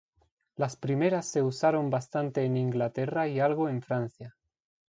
Las primeras se usaron bastante en Inglaterra y algo en Francia.